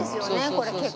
これ結構。